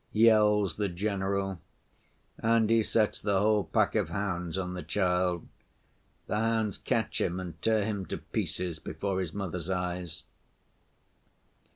yells the general, and he sets the whole pack of hounds on the child. The hounds catch him, and tear him to pieces before his mother's eyes!...